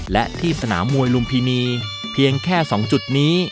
และที่สนามมวยลุมพินีเพียงแค่๒จุดนี้